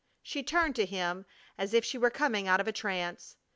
She turned to him as if she were coming out of a trance.